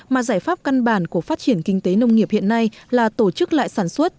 mà giải pháp căn bản của phát triển kinh tế nông nghiệp hiện nay là tổ chức lại sản xuất